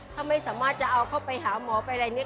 ถ้าไม่สามารถจะเอาเข้าไปหาหมอไปอะไรเนี่ย